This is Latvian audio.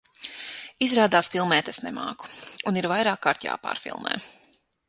Izrādās filmēt es nemāku, un ir vairākkārt jāpārfilmē.